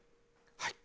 はい。